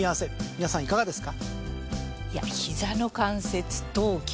皆さんいかがですか。